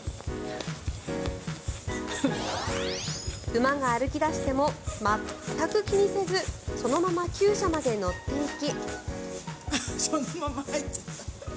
馬が歩き出しても全く気にせずそのままきゅう舎まで乗っていき。